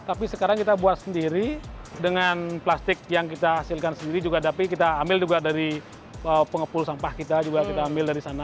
tapi sekarang kita buat sendiri dengan plastik yang kita hasilkan sendiri juga tapi kita ambil juga dari pengepul sampah kita juga kita ambil dari sana